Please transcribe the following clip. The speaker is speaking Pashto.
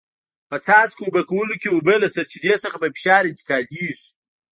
په څاڅکو اوبه کولو کې اوبه له سرچینې څخه په فشار انتقالېږي.